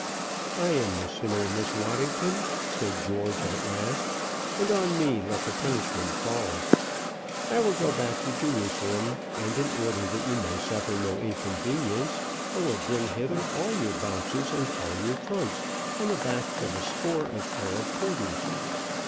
"I am the sinner, Miss Waddington," said George, at last, "and on me let the punishment fall. I will go back to Jerusalem; and in order that you may suffer no inconvenience, I will bring hither all your boxes and all your trunks on the backs of a score of Arab porters."